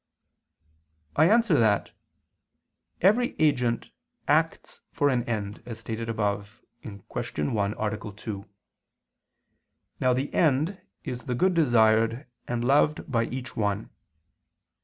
I answer that, Every agent acts for an end, as stated above (Q. 1, A. 2). Now the end is the good desired and loved by each one.